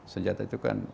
senjata itu kan